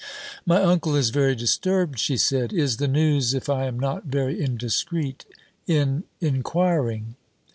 'My uncle is very disturbed,' she said. 'Is the news if I am not very indiscreet in inquiring?'